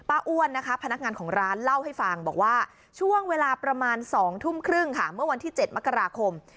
อ้วนนะคะพนักงานของร้านเล่าให้ฟังบอกว่าช่วงเวลาประมาณ๒ทุ่มครึ่งค่ะเมื่อวันที่๗มกราคม